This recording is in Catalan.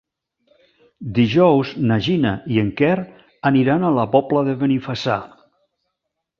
Dijous na Gina i en Quer aniran a la Pobla de Benifassà.